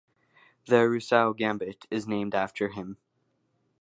The Rousseau Gambit is named after him.